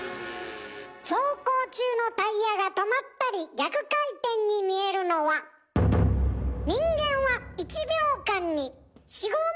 走行中のタイヤが止まったり逆回転に見えるのは人間は１秒間に４５枚の絵しか見ていないから。